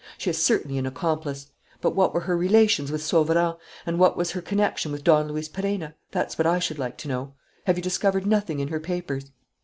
She is certainly an accomplice. But what were her relations with Sauverand and what was her connection with Don Luis Perenna? That's what I should like to know. Have you discovered nothing in her papers?"